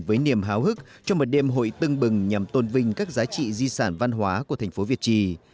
với niềm háo hức cho một đêm hội tưng bừng nhằm tôn vinh các giá trị di sản văn hóa của thành phố việt trì